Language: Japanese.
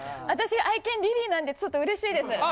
私愛犬リリーなんでちょっと嬉しいです。